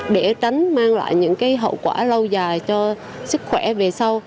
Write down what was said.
để tránh mang lại những hậu quả lâu dài cho sức khỏe về sau